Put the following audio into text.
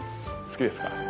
好きですね。